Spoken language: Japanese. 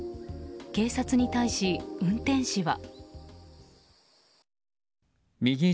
警察に対し、運転士は。